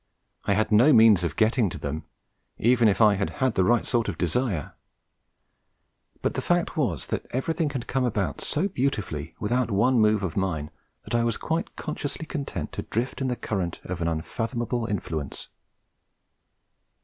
I had no means of getting to them, even if I had had the right sort of desire; but the fact was that everything had come about so beautifully without one move of mine, that I was quite consciously content to drift in the current of an unfathomable influence.